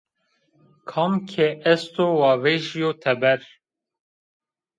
Kam ke esto, wa vejîyo teber